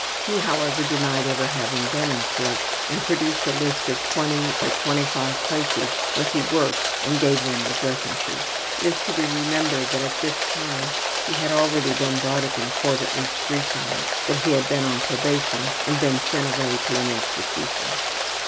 He, however, denied ever having been in court and produced a list of twenty or twenty five places where he worked and gave them as references. It is to be remembered that at this time he had already been brought up in court at least three times, that he had been on probation, and been sent away to an institution.